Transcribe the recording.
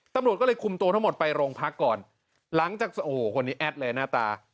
ตำรวจก็เลยคุมตัวทั้งหมดไปโรงพักก่อนหลังจากโอ้โหคนนี้แอดเลยหน้าตา